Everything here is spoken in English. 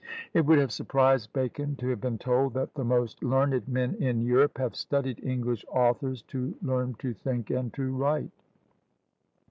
It would have surprised Bacon to have been told, that the most learned men in Europe have studied English authors to learn to think and to write.